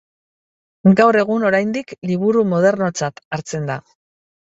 Gaur egun oraindik liburu modernotzat hartzen da.